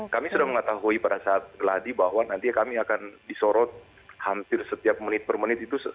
kami sudah mengetahui pada saat tadi bahwa nanti akan ada yang berada di lapangan